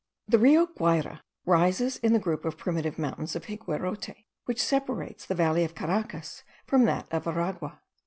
The Rio Guayra rises in the group of primitive mountains of Higuerote, which separates the valley of Caracas from that of Aragua.